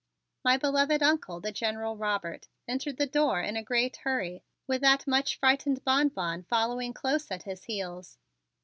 My beloved Uncle, the General Robert, entered the door in a great hurry, with that much frightened Bonbon following close at his heels.